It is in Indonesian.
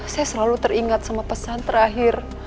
saya selalu teringat sama pesan terakhir